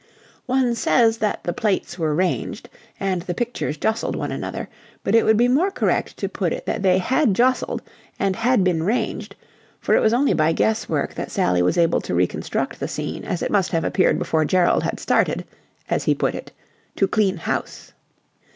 One says that the plates were ranged and the pictures jostled one another, but it would be more correct to put it they had jostled and had been ranged, for it was only by guess work that Sally was able to reconstruct the scene as it must have appeared before Gerald had started, as he put it, to clean house.